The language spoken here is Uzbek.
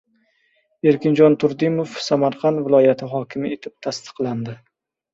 Erkinjon Turdimov Samarqand viloyati hokimi etib tasdiqlandi